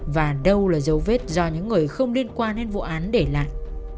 và đâu là dấu vết do những người không liên quan đến vụ án để lại